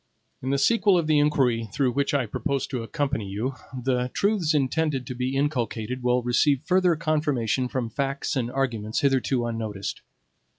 In the sequel of the inquiry through which I propose to accompany you, the truths intended to be inculcated will receive further confirmation from facts and arguments hitherto unnoticed.